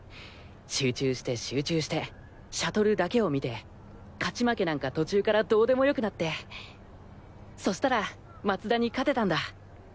集中して集中してシャトルだけを見て勝ち負けなんか途中からどうでもよくなってそしたら松田に勝てたんだ。